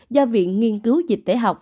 do viện nghiên cứu dịch tế học